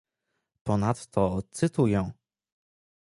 Ponadto, cytuję